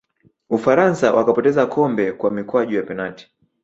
ufaransa wakapoteza kombe kwa mikwaju ya penati